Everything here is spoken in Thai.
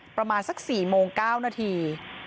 ประมาณสัก๔โมง๙นาที